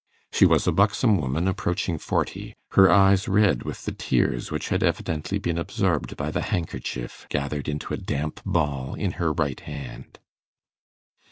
She was a buxom woman approaching forty, her eyes red with the tears which had evidently been absorbed by the handkerchief gathered into a damp ball in her right hand.